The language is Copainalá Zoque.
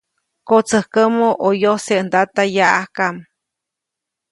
Kotsäjkäʼmä ʼo yojse ndata yaʼajka.